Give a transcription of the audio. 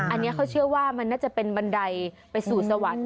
อันนี้เขาเชื่อว่ามันน่าจะเป็นบันไดไปสู่สวรรค์